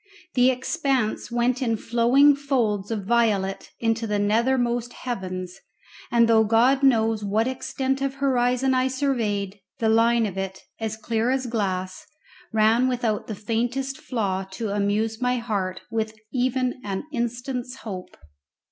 The expanse went in flowing folds of violet into the nethermost heavens, and though God knows what extent of horizon I surveyed, the line of it, as clear as glass, ran without the faintest flaw to amuse my heart with even an instant's hope.